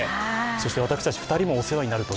そして私たち２人もお世話になると。